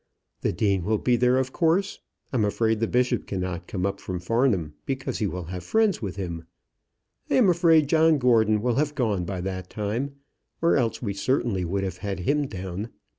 The Dean will be there, of course. I'm afraid the Bishop cannot come up from Farnham, because he will have friends with him. I am afraid John Gordon will have gone by that time, or else we certainly would have had him down.